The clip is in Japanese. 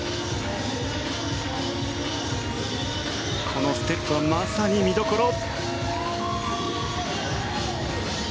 このステップはまさに見どころ。